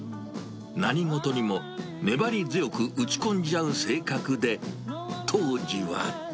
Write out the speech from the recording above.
何事にも粘り強く打ち込んじゃう性格で、当時は。